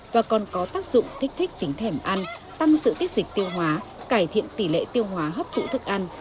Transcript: và còn có tác dụng kích thích tính thẻm ăn tăng sự tiết dịch tiêu hóa cải thiện tỷ lệ tiêu hóa hấp thụ thức ăn